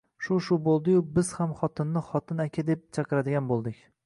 Shu-shu bo'ldi-yu biz ham xotinni xotin aka deb chaqiradigan bo'ldik